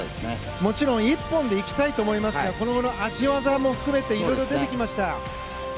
もちろん一本で行きたいと思いますが足技も含めて色々出てきました。